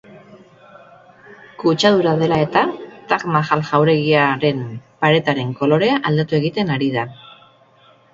Kutsadura dela eta, Taj Mahal jauregiaren paretaren kolorea aldatu egiten ari da.